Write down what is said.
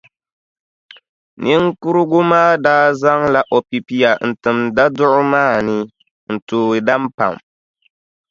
Niŋkurugu maa daa zaŋla o pipia n-tim daduɣu maa ni n- tooi daam pam.